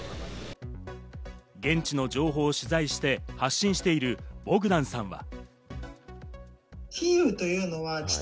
現地の情報を取材して発信しているボグダンさんは。